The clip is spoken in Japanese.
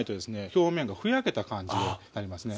表面がふやけた感じでなりますね